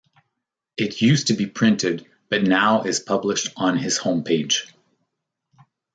It used to be printed but now is published on his homepage.